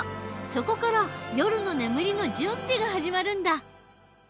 そこから夜の眠りの準備が始まるんだ。